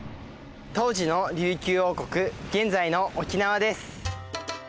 当時の琉球王国現在の沖縄です。